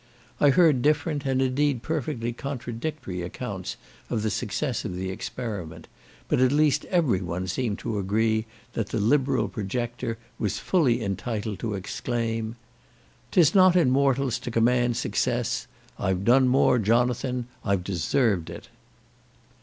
I heard different, and, indeed, perfectly contradictory accounts of the success of the experiment; but at least every one seemed to agree that the liberal projector was fully entitled to exclaim, "'Tis not in mortals to command success; I have done more, Jonathan, I've deserved it."